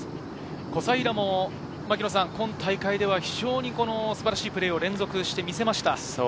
小斉平も今大会では非常に素晴らしいプレーを連続してみせました。